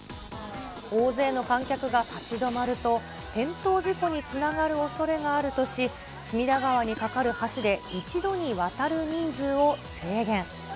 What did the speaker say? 大勢の観客が立ち止まると、転倒事故につながるおそれがあるとし、隅田川に架かる橋で、一度に渡る人数を制限。